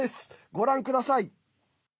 ご覧ください。